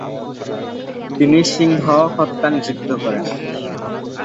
তিনি সিংহ হত্যা নিষিদ্ধ করেন।